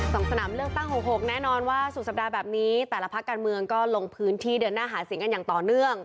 สนามเลือกตั้งหกหกแน่นอนว่าสุดสัปดาห์แบบนี้แต่ละพักการเมืองก็ลงพื้นที่เดินหน้าหาเสียงกันอย่างต่อเนื่อง